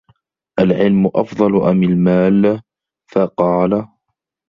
الْعِلْمُ أَفْضَلُ أَمْ الْمَالُ ؟ فَقَالَ